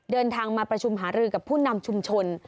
เดินทางมาประชุมหารือกับผู้นำชุมชน